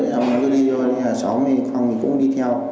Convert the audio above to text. cháu đi vô cháu đi phòng cũng đi theo